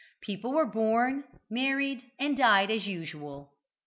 People were born, married and died as usual.